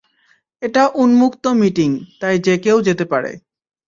এটা উন্মুক্ত মিটিং, তাই যে কেউ যেতে পারে।